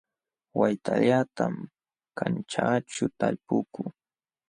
Waytallatam kanćhaaćhu talpukuu